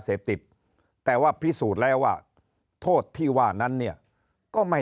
เสพติดแต่ว่าพิสูจน์แล้วว่าโทษที่ว่านั้นเนี่ยก็ไม่